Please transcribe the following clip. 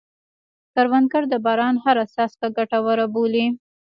کروندګر د باران هره څاڅکه ګټوره بولي